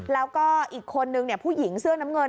แล้วก็อีกคนนึงผู้หญิงเสื้อน้ำเงิน